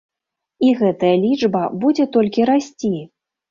І гэтая лічба будзе толькі расці.